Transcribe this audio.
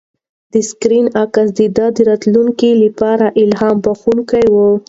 د سکرین عکس د ده د راتلونکي لپاره الهام بښونکی و.